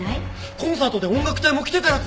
コンサートで音楽隊も着てたやつ！